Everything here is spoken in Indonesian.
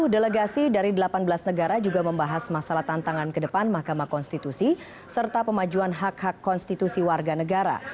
dua puluh delegasi dari delapan belas negara juga membahas masalah tantangan ke depan mahkamah konstitusi serta pemajuan hak hak konstitusi warga negara